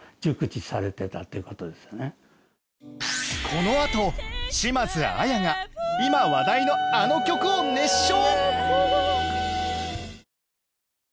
このあと島津亜矢が今話題のあの曲を熱唱！